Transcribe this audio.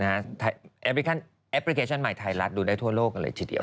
แอปพลิเคชันใหม่ไทยรัฐดูได้ทั่วโลกกันเลยทีเดียว